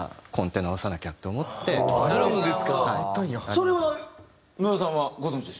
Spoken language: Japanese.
それは野田さんはご存じでしたか？